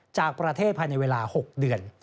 จากประเทศภายในเวลา๖เดือน